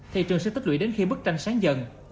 thị trường sẽ tích lũy đến khi bức tranh sáng dần